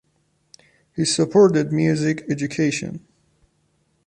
He supported music education.